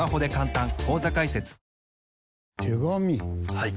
はい。